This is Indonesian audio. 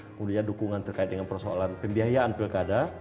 kemudian dukungan terkait dengan persoalan pembiayaan pilkada